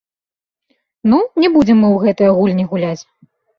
Ну, не будзем мы ў гэтыя гульні гуляць!